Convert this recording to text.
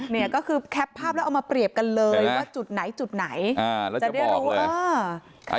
เนี่ยก็คือแคปภาพแล้วเอามาเปรียบกันเลยว่าจุดไหนจุดไหนจะได้รู้ว่าเออ